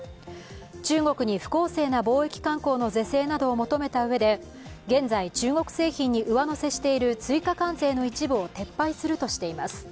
中国に不公正な貿易慣行の是正などを求めたうえで現在、中国製品に上乗せしている追加関税の一部を撤廃するとしています。